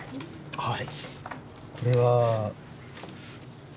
はい。